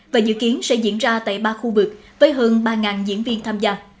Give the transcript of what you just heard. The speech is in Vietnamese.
và dự kiến sẽ diễn ra tại ba khu vực với hơn ba diễn viên tham gia